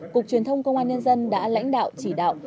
cục truyền thông công an nhân dân đã lãnh đạo chỉ đạo